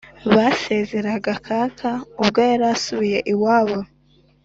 basezeraga kaka ubwo yarasubiye iwabo